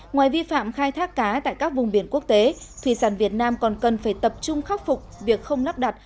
ngoài vi phạm khai thác cá tại các vùng biển quốc tế thủy sản việt nam còn cần phải tập trung khắc phục việc không lắp đặt